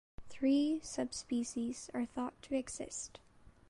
Three subspecies are thought to exist.